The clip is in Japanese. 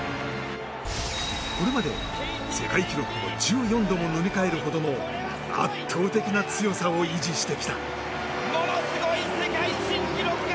これまで、世界記録を１４度も塗り替えるほどの圧倒的な強さを維持してきた。